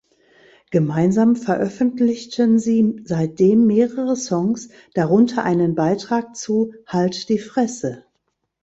Gemeinsam veröffentlichten sie seitdem mehrere Songs, darunter einen Beitrag zu Halt die Fresse.